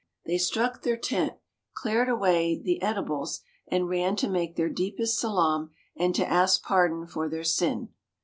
They struck their tent, cleared away the eatables, and ran to make their deepest salaam and to ask pardon for their sin.